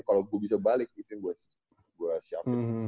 kalau gue bisa balik itu yang gue siapin